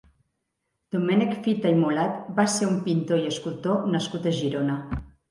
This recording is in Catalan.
Domènec Fita i Molat va ser un pintor i escultor nascut a Girona.